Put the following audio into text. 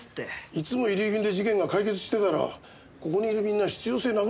いつも遺留品で事件が解決してたらここにいるみんな必要性なくなっちゃうからな。